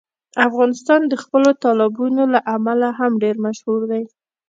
افغانستان د خپلو تالابونو له امله هم ډېر مشهور دی.